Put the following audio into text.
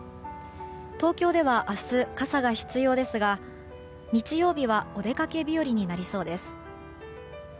東京では明日、傘が必要ですが日曜日はお出かけ日和になりそうです。